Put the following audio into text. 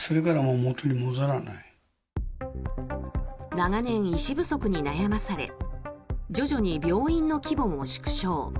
長年、医師不足に悩まされ徐々に病院の規模も縮小。